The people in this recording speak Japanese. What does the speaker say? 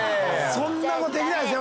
そんなこと出来ないですよ。